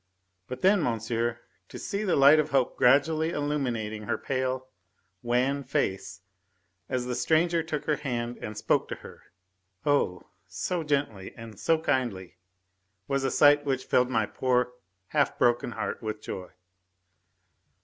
But then, monsieur, to see the light of hope gradually illuminating her pale, wan face as the stranger took her hand and spoke to her oh! so gently and so kindly was a sight which filled my poor, half broken heart with joy.